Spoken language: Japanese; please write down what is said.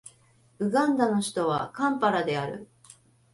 ウガンダの首都はカンパラである